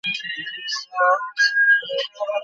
আমি শুনতে পাচ্ছি না, খবরে?